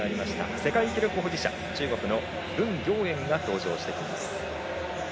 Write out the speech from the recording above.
世界記録保持者、中国の文暁燕が登場してきます。